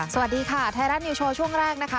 สวัสดีค่ะไทยรัฐนิวโชว์ช่วงแรกนะคะ